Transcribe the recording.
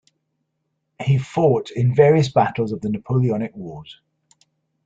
He fought in various battles of the Napoleonic wars.